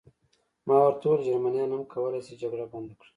ما ورته وویل: جرمنیان هم کولای شي جګړه بنده کړي.